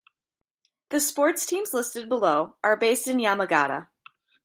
The sports teams listed below are based in Yamagata.